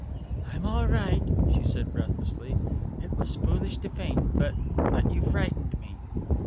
"I'm all right," she said breathlessly, "it was foolish to faint, but but you frightened me."